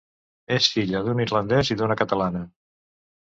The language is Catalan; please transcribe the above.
És filla d'un irlandès i d'una catalana.